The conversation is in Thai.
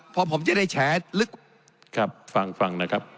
พอผมจะได้แฉลึกครับฟังฟังนะครับ